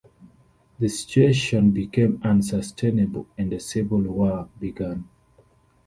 The situation became unsustainable and a civil war begun.